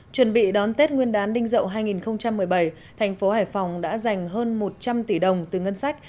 chuẩn bị đón tết nguyên đán đinh dậu hai nghìn một mươi bảy thành phố hải phòng đã dành hơn một trăm linh tỷ đồng từ ngân sách